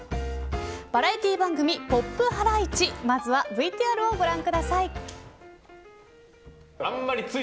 バラエティー番組ポップハライチまずはＶＴＲをご覧ください。